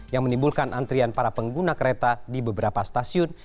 yang menimbulkan antrian para pengguna kereta di beberapa stasiun